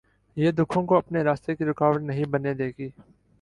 یہ دکھوں کو اپنے راستے کی رکاوٹ نہیں بننے دے گی۔